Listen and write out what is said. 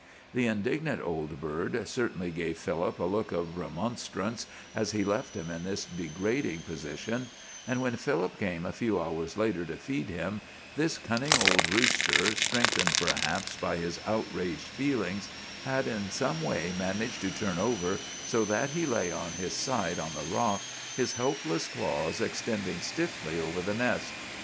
The indignant old bird certainly gave Philip a look of remonstrance as he left him in this degrading position; and when Philip came a few hours later to feed him, this cunning old rooster, strengthened perhaps by his outraged feelings, had in some way managed to turn over so that he lay on his side on the rock, his helpless claws extending stiffly over the nest.